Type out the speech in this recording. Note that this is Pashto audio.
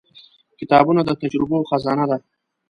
• کتابونه د تجربو خزانه ده.